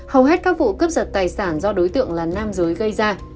hầu hết các vụ cướp giật tài sản do đối tượng là nam giới gây ra